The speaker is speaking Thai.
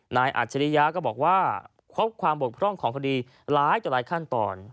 อัจฉริยะก็บอกว่าครบความบกพร่องของคดีหลายต่อหลายขั้นตอน